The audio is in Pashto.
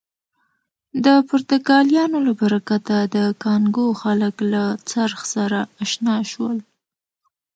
د پرتګالیانو له برکته د کانګو خلک له څرخ سره اشنا شول.